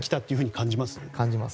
感じます。